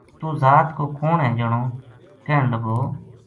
توہ ذات کو کون ہے جنو کہن لگو